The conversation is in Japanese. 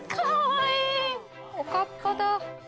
おかっぱだ